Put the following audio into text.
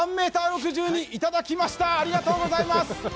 いただきましたありがとうございます！